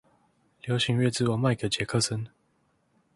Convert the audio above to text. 流行樂之王麥可傑克森